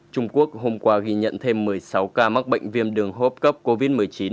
trung quốc hôm qua ghi nhận thêm một mươi sáu ca mắc bệnh viêm đường hô hấp cấp covid một mươi chín